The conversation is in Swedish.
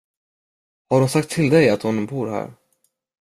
Har hon sagt till dig att hon bor här?